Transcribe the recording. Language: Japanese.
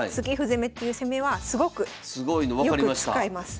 攻めっていう攻めはすごくよく使います。